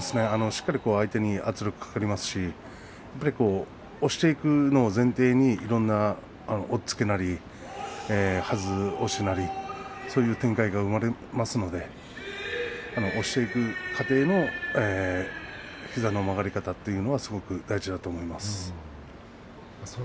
しっかり相手に圧力がかかりますので押していくのを前提にいろんな押っつけなりはず押しなりそういう展開が生まれますので押していく過程の膝の曲がり方というのはすごく大事だと思います。